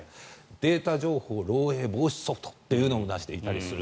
データ情報漏えい防止ソフトというのも出していたりする。